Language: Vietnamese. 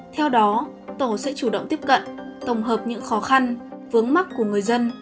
theo đó tổ sẽ chủ động tiếp cận tổng hợp những khó khăn vướng mắt của người dân